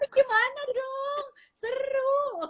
gimana dong seru